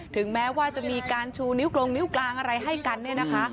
ถึงแม้ว่าจะมีการชูนิ้วกลงนิ้วกลางอะไรให้กันเนี่ยนะคะ